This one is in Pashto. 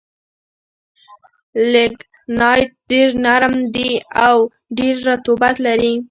لېګنایټ ډېر نرم دي او ډېر رطوبت لري.